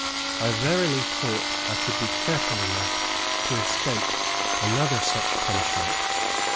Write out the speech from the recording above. I verily thought I could be careful enough to escape another such punishment.